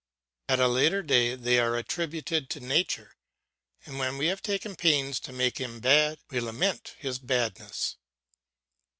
At a later day these are attributed to nature, and when we have taken pains to make him bad we lament his badness.